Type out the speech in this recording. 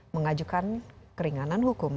mengajukan keringanan hukum